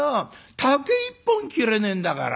竹一本切れねえんだから。